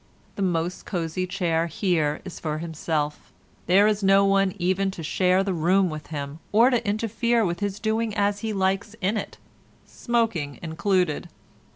The most cosy chair here is for himself, there is no one even to share the room with him, or to interfere with his doing as he likes in it—smoking included.